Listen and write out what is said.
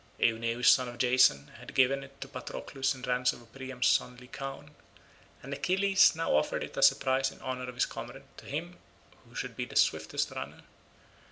Eueneus son of Jason had given it to Patroclus in ransom of Priam's son Lycaon, and Achilles now offered it as a prize in honour of his comrade to him who should be the swiftest runner.